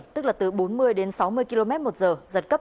tức là từ bốn mươi đến sáu mươi km một giờ giật cấp chín